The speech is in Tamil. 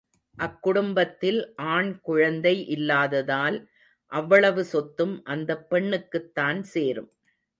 அக்குடும்பத்தில் ஆண் குழந்தை இல்லாததால் அவ்வளவு சொத்தும் அந்தப் பெண்ணுக்குத் தான் சேரும்.